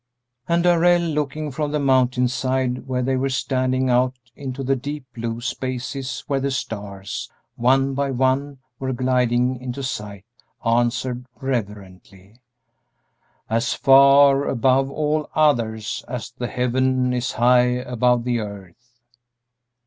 And Darrell, looking from the mountain side where they were standing out into the deep blue spaces where the stars, one by one, were gliding into sight, answered, reverently, "As far above all others 'as the heaven is high above the earth.'"